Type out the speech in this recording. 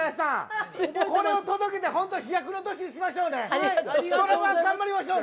これを届けて本当に飛躍の年にしましょうね。